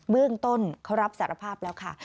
เบื้องต้นเขารับสารภาพแล้วค่ะ